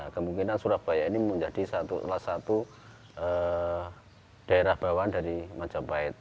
kemungkinan surabaya ini menjadi salah satu daerah bawahan dari majapahit